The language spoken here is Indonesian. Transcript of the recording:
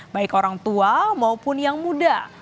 baik orang tua maupun yang muda